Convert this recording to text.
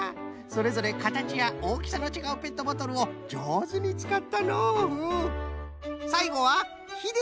それぞれかたちやおおきさのちがうペットボトルをじょうずにつかったのううん。